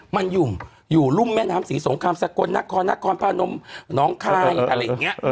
มันอยู่อยู่รุ่มแม่น้ำศรีสงครามสกลนครนครพนมน้องคายอะไรอย่างนี้